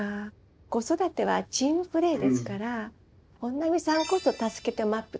子育てはチームプレーですから本並さんこそ助けてＭＡＰ作りましょう。